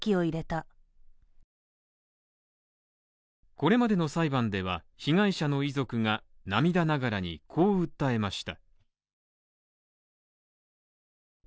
これまでの裁判では、被害者の遺族が涙ながらにこう訴えました。